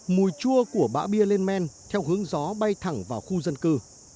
mùi chua của bã bia lên men theo hướng gió bay thẳng vào khu dân cư